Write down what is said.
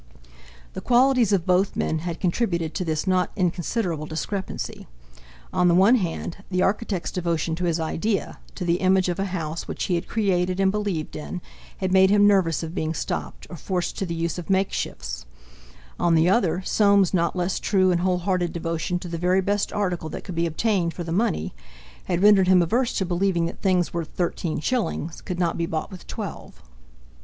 The qualities of both men had contributed to this not inconsiderable discrepancy. On the one hand, the architect's devotion to his idea, to the image of a house which he had created and believed in—had made him nervous of being stopped, or forced to the use of makeshifts; on the other, Soames's not less true and wholehearted devotion to the very best article that could be obtained for the money, had rendered him averse to believing that things worth thirteen shillings could not be bought with twelve.